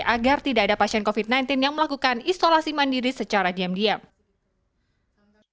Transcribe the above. agar tidak ada pasien covid sembilan belas yang melakukan isolasi mandiri secara diam diam